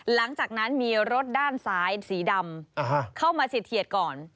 หลังจากนั้นมีรถด้านซ้ายสีดำเข้ามาเสียเถียดก่อน